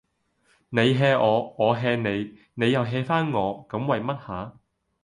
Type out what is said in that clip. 你 hea 我，我 hea 你，你又 hea 返我，咁為乜吖